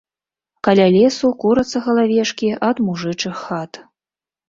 Каля лесу курацца галавешкі ад мужычых хат.